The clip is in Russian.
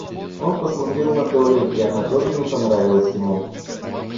Он посмотрел на Долли, и она тоже не понравилась ему.